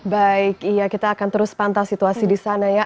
baik kita akan terus pantas situasi di sana ya